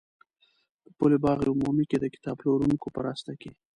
په پل باغ عمومي کې د کتاب پلورونکو په راسته کې.